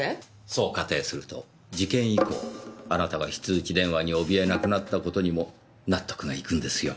そう仮定すると事件以降あなたが非通知電話に怯えなくなった事にも納得がいくんですよ。